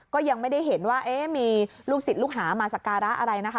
ก็ยังไม่ได้เห็นว่ามีลูกศิษย์ลูกหามาสการะอะไรนะคะ